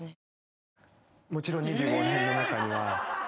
もちろん２５年の中には。